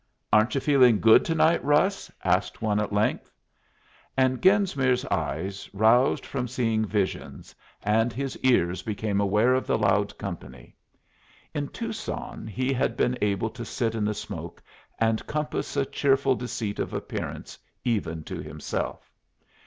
"Aren't you feeling good to night, Russ?" asked one at length. And Genesmere's eyes roused from seeing visions, and his ears became aware of the loud company. In Tucson he had been able to sit in the smoke, and compass a cheerful deceit of appearance even to himself.